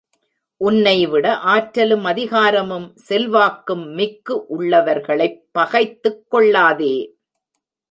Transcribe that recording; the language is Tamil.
உன்னைவிட ஆற்றலும், அதிகாரமும், செல்வாக்கும் மிக்கு உள்ளவர்களைப் பகைத்துக் கொள்ளாதே.